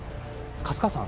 粕川さん